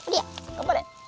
がんばれ！